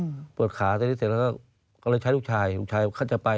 ปวดขาตอนนี้เสร็จแล้วก็ก็เลยใช้ลูกชายลูกชายเขาจะไป